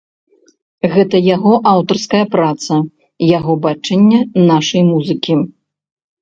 Гэта яго аўтарская праца, яго бачанне нашай музыкі.